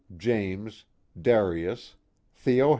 James Darius Theo.